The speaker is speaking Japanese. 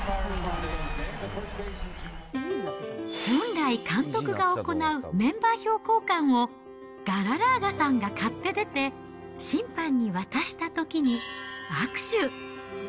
本来、監督が行うメンバー表交換を、ガララーガさんが買って出て審判に渡したときに握手。